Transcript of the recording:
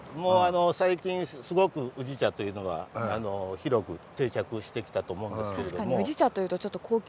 最近すごく宇治茶というのは広く定着してきたと思うんですけれども。